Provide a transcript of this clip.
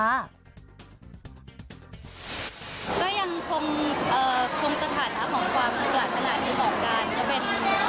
ก็ยังคงสถานะของความปรารถนาดีต่อกันก็เป็น